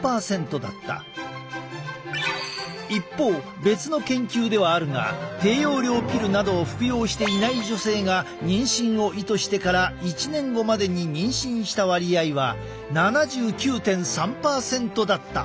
一方別の研究ではあるが低用量ピルなどを服用していない女性が妊娠を意図してから１年後までに妊娠した割合は７９．３％だった。